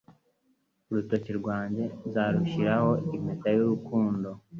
Urutoki rwawe nzarushyiraho impeta y’urukundo